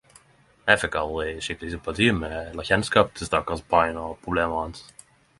Eg fekk aldri skikkeleg sympati med eller kjennskap til stakkars Brian og problema hans.